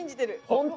本当？